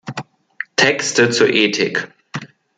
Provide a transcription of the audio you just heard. Texte zur Ethik.